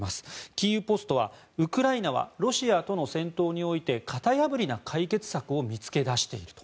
キーウ・ポストはウクライナはロシアとの戦闘において型破りな解決策を見つけ出していると。